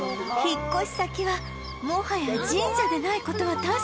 引っ越し先はもはや神社でない事は確か